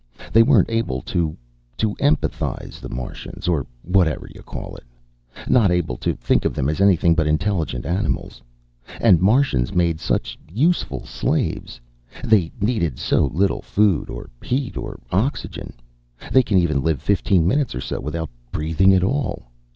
They weren't able to to empathize the Martians, or whatever you call it. Not able to think of them as anything but intelligent animals. And Martians made such useful slaves they need so little food or heat or oxygen, they can even live fifteen minutes or so without breathing at all.